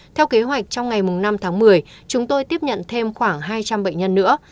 theo kế hoạch trong ngày năm tháng một mươi chúng tôi tiếp nhận thêm khoảng hai trăm linh bệnh nhân nữa